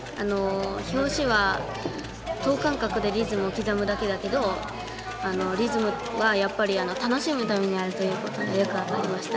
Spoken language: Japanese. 拍子は等間隔でリズムを刻むだけだけどリズムはやっぱり楽しむためにあるということがよく分かりました。